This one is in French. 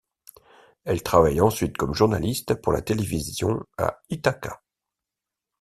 Elle travaille ensuite comme journaliste pour la télévision à Ithaca.